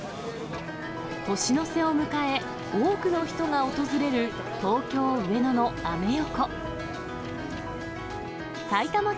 年の瀬を迎え、多くの人が訪れる東京・上野のアメ横。